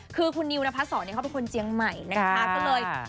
คุณนิวนพัทธศรเขาเป็นคนเจียงใหม่นะคะ